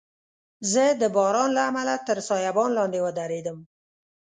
زه د باران له امله تر سایبان لاندي ودریدم.